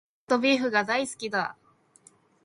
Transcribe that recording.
ローストビーフが大好きだ